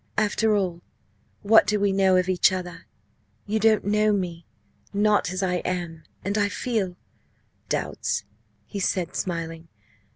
"After all, what do we know of each other! You don't know me not as I am. And I feel " "Doubts?" he said, smiling.